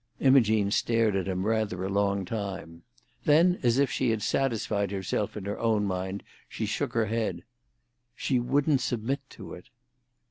Imogene stared at him rather a long time. Then, as if she had satisfied herself in her own mind, she shook her head. "She wouldn't submit to it."